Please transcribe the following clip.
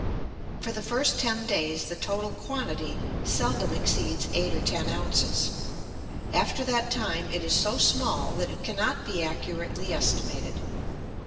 For the first ten days the total quantity seldom exceeds eight or ten ounces; after that time it is so small that it cannot be accurately estimated.